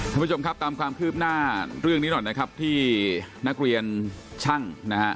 ท่านผู้ชมครับตามความคืบหน้าเรื่องนี้หน่อยนะครับที่นักเรียนช่างนะฮะ